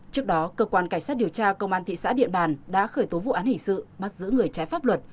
trước đó cơ quan cảnh sát điều tra công an thị xã điện bàn đã khởi tố vụ án hình sự bắt giữ người trái pháp luật